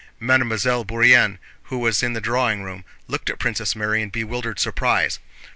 Mademoiselle Bourienne, who was in the drawing room, looked at Princess Mary in bewildered surprise.